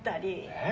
・え？